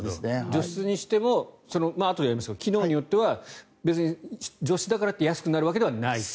除湿にしてもあとでやりますが機能によっては別に除湿だからって安くなるわけではないと。